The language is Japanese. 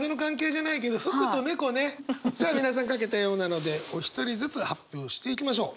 じゃあ皆さん書けたようなのでお一人ずつ発表していきましょう。